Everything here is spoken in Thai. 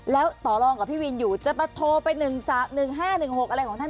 แล้วต่อรองกับพี่วินอยู่จะมาโทรไป๑๑๕๑๖อะไรของท่าน